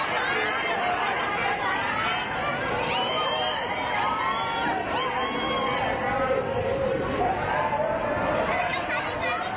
ตั้งแต่สวัสดีกับได้ด้วยวันนี้ก็ว่ากลับไปไหนกันนะครับ